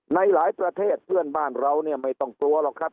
ในหลายประเทศเพื่อนบ้านเราเนี่ยไม่ต้องกลัวหรอกครับ